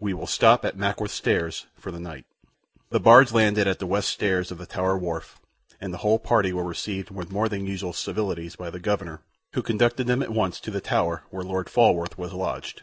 "We will stop at Mackworth stairs for the knight." The barge landed at the west stairs of the Tower wharf, and the whole party were received with more than usual civilities by the Governor, who conducted them at once to the Tower where Lord Falworth was lodged.